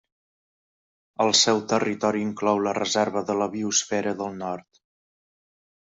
El seu territori inclou la Reserva de la Biosfera del Nord.